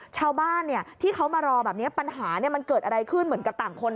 ชาวบ้านที่เขามารอแบบนี้ปัญหามันเกิดอะไรขึ้นเหมือนกับต่างคน